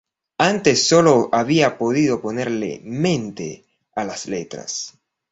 Antes sólo había podido ponerle "mente" a las letras.